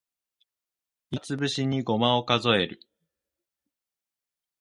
暇つぶしにごまを数える